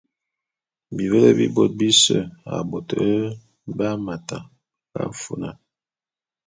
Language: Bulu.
Bivele bi bôt bise a bôt bé Hamata be nga fulane.